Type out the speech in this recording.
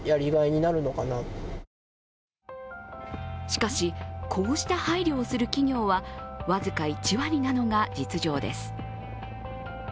しかし、こうした配慮をする企業は、僅か１割なのが実情です。